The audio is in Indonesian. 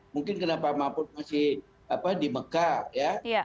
mungkin kenapa mahfud masih di mekah ya